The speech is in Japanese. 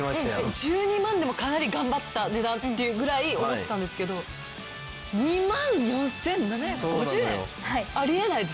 １２万でもかなり頑張った値段っていうぐらい思ってたんですけど２万４７５０円？あり得ないです。